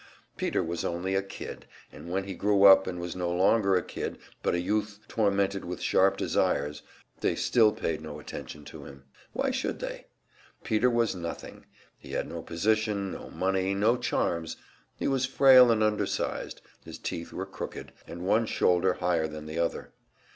Peter was only a "kid"; and when he grew up and was no longer a kid, but a youth tormented with sharp desires, they still paid no attention to him why should they? Peter was nothing; he had no position, no money, no charms; he was frail and undersized, his teeth were crooked, and one shoulder higher than the other.